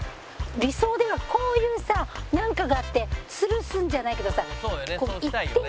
理想ではこういうさなんかがあって吊るすんじゃないけどさ。